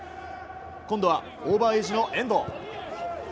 今度はオーバーエージの遠藤。